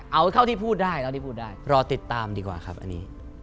เอาเข้าที่พูดได้